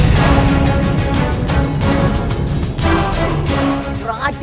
saya sangat cerdik